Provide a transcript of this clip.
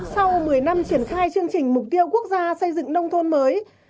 sau một mươi năm triển khai chương trình mục tiêu quốc gia xây dựng nông thôn mới